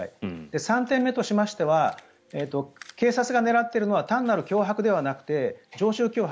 ３点目としましては警察が狙っているのは単なる脅迫ではなくて常習脅迫。